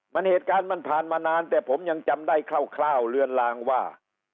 มันเหตุการณ์มันผ่านมานานแต่ผมยังจำได้คร่าวเลือนลางว่า